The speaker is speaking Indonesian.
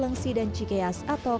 lengsi dan cikeas atau kp dua c